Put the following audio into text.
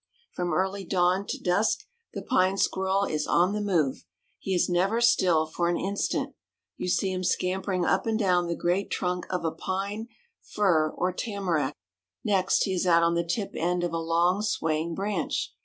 From early dawn to dusk the Pine Squirrel is on the move. He is never still for an instant. You see him scampering up and down the great trunk of a pine, fir or tamarack. Next, he is out on the tip end of a long, swaying branch.